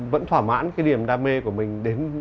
vẫn thỏa mãn cái điểm đam mê của mình